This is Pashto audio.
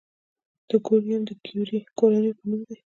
د کوریوم د کیوري کورنۍ په نوم دی.